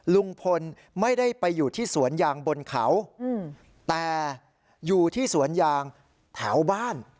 ลุงพลไม่ได้ไปอยู่ที่สวนยางบนเขาแต่อยู่ที่สวนยางแถวบ้าน